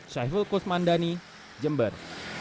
syahiful kusmandani jember